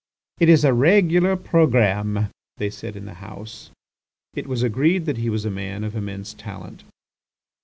"It is a regular programme!" they said in the House. It was agreed that he was a man of immense talent.